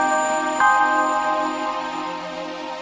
aku akan membawa kamu ke tempatmu